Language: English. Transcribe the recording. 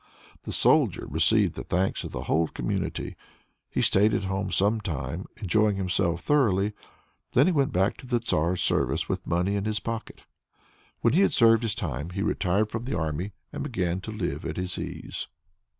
The Soldier received the thanks of the whole community. He stayed at home some time, enjoying himself thoroughly. Then he went back to the Tsar's service with money in his pocket. When he had served his time, he retired from the army, and began to live at his ease.